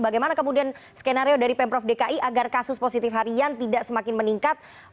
bagaimana kemudian skenario dari pemprov dki agar kasus positif harian tidak semakin meningkat